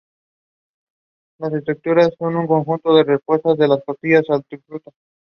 Tiene lugar una vez al año en los Alpes, atravesando Francia, Italia y Suiza.